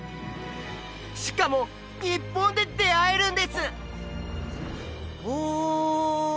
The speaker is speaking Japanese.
しかも日本で出会えるんです！